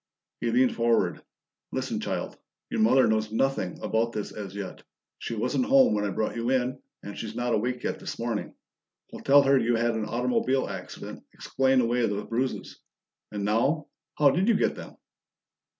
He leaned forward. "Listen, child your mother knows nothing about this as yet. She wasn't home when I brought you in, and she's not awake yet this morning. We'll tell her you had an automobile accident; explain away those bruises. And now, how did you get them?"